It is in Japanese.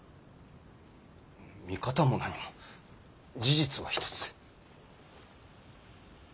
見方もなにも事実は一つ。